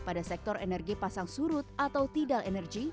pada sektor energi pasang surut atau tidal energi